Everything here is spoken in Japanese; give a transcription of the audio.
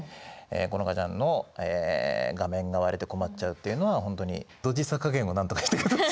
好花ちゃんの画面が割れて困っちゃうっていうのは本当にドジさ加減をなんとかしてください。